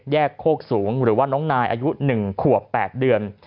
โคกสูงหรือว่าน้องนายอายุ๑ขวบ๘เดือน